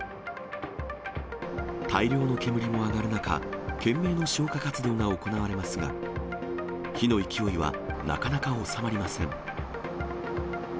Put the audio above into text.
大量の煙も上がる中、懸命な消火活動が行われますが、火の勢いはなかなか収まりません。